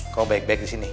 kau baik baik disini